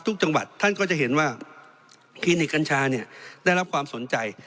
ทุกจังหวัดท่านก็จะเห็นว่าคลินิกกัญชาเนี่ยได้รับความสนใจ